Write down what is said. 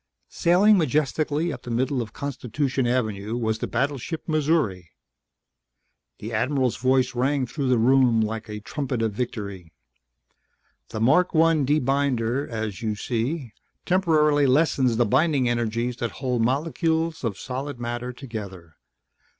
Sailing majestically up the middle of Constitution Avenue was the battleship Missouri. The Admiral's voice rang through the room like a trumpet of victory. "The Mark 1 Debinder, as you see, temporarily lessens the binding energies that hold molecules of solid matter together.